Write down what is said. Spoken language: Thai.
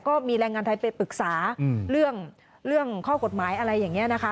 ก็มีแรงงานไทยไปปรึกษาเรื่องข้อกฎหมายอะไรอย่างนี้นะคะ